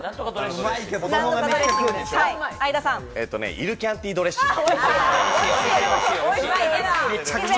イルキャンティドレッシング。